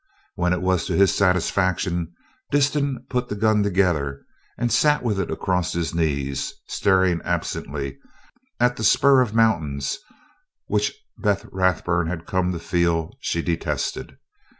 When it was to his satisfaction, Disston put the gun together and sat with it across his knees, staring absently at the spur of mountains which Beth Rathburn had come to feel she detested.